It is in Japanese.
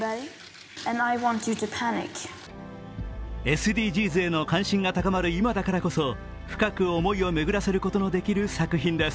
ＳＤＧｓへの関心が高まる今だからこそ深く思いを巡らせることのできる作品です。